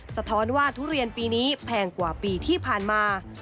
สะท้อนว่าทุเรียนปีนี้แพงกว่าปีที่ผ่านมา